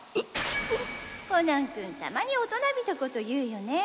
コナン君たまに大人びたコト言うよね。